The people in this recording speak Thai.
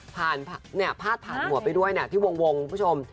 พาดผ่านหัวไปด้วยที่วงคุณผู้ชม